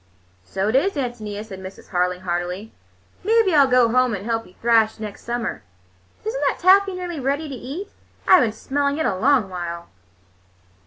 "So it is, Ántonia," said Mrs. Harling heartily. "Maybe I'll go home and help you thrash next summer. Is n't that taffy nearly ready to eat? I've been smelling it a long while."